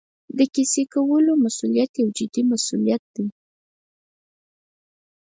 د کیسې کولو مسوولیت یو جدي مسوولیت دی.